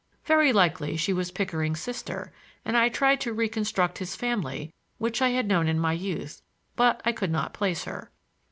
Very likely she was Pickering's sister, and I tried to reconstruct his family, which I had known in my youth; but I could not place her.